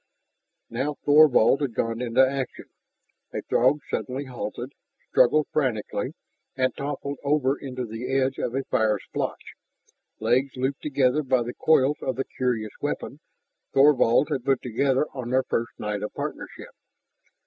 Now Thorvald had gone into action. A Throg suddenly halted, struggled frantically, and toppled over into the edge of a fire splotch, legs looped together by the coils of the curious weapon Thorvald had put together on their first night of partnership.